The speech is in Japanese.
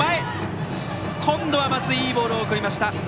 今度は松井いいボールを送りました。